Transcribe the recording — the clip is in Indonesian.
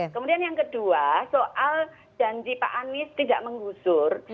kemudian yang kedua soal janji pak anies tidak menggusur